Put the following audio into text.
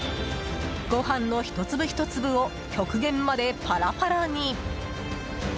ご飯のひと粒ひと粒を極限までパラパラに！